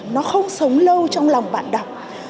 nó không sống lâu trong lòng bạn đọc